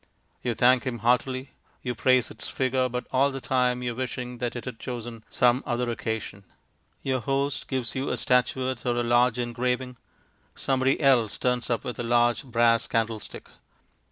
You thank him heartily, you praise its figure, but all the time you are wishing that it had chosen some other occasion. Your host gives you a statuette or a large engraving; somebody else turns up with a large brass candle stick.